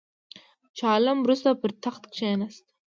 شاه عالم وروسته پر تخت کښېنست.